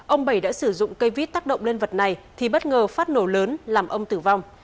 ông bảy đã sử dụng cây vít tác động lên vật này thì bất ngờ phát nổ lớn làm ông tử vong